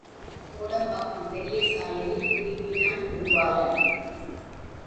கோடம்பாக்கம் பெரியசாலையில் திரும்பினான் பூபாலன்.